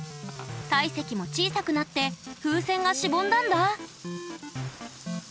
体積も小さくなって風船がしぼんだんだ。